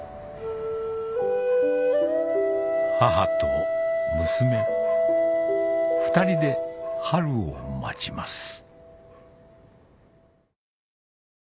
母と娘２人で春を待ちます